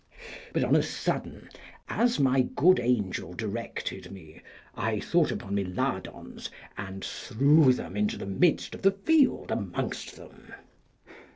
But on a sudden, as my good angel directed me, I thought upon my lardons, and threw them into the midst of the field amongst them.